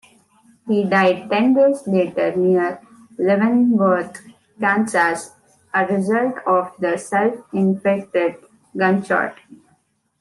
He died ten days later near Leavenworth, Kansas, a result of the self-inflicted gunshot.